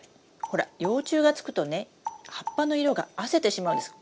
ほら幼虫がつくとね葉っぱの色があせてしまうんです。